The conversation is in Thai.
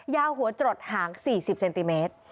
หัวจรดหาง๔๐เซนติเมตร